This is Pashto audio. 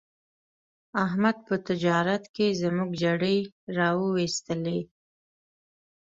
احمد په تجارت کې زموږ جرړې را و ایستلې.